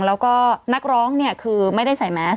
แล้วก็นักร้องเนี่ยคือไม่ได้ใส่แมส